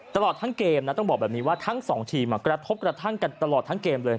ตลอดทั้งเกมนะต้องบอกแบบนี้ว่าทั้งสองทีมกระทบกระทั่งกันตลอดทั้งเกมเลย